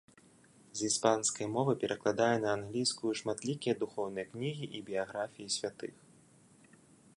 З іспанскай мовы перакладае на англійскую шматлікія духоўныя кнігі і біяграфіі святых.